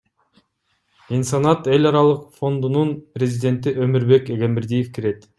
Инсанат эл аралык фондунун президенти Өмурбек Эгембердиев кирет.